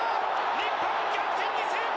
日本逆転に成功！